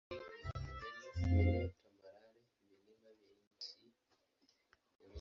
Mto mkubwa wa kanda ni mto Kongo.